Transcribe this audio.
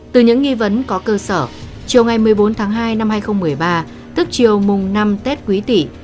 từ những nghi vấn có cơ sở chiều ngày một mươi bốn tháng hai năm hai nghìn một mươi ba tức chiều mùng năm tết quý tỷ